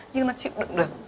nhưng nó chịu đựng được